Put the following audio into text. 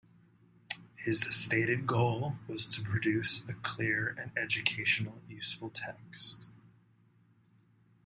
His stated goal was to produce a clear and educationally useful text.